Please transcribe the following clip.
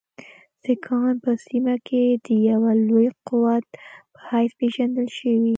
سیکهان په سیمه کې د یوه لوی قوت په حیث پېژندل شوي.